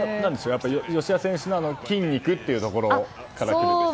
吉田選手の筋肉というところからきているんですか？